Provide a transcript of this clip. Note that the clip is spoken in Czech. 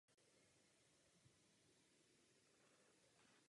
Zařízení má několik samostatných komor rozmístěných po obvodě kruhu či oválu.